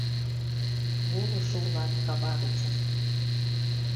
Волышо улат кава гычын...